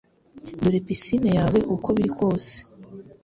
Dore pisine yawe uko biri kose